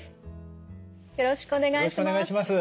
よろしくお願いします。